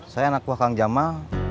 saya anak buah kang jamal